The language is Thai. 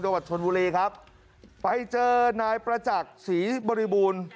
วัดชนบุรีครับไปเจอนายประจักษ์ศรีบริบูรณ์